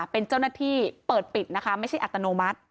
เป็นเจ้าหน้าที่เปิดปิดนะคะไม่ใช่อัตโนมัติ